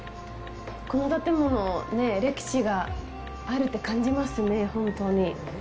この建物、歴史があるって感じますね、本当に。